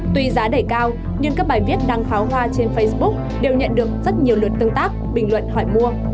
tuy giá đẩy cao nhưng các bài viết đăng pháo hoa trên facebook đều nhận được rất nhiều lượt tương tác bình luận hỏi mua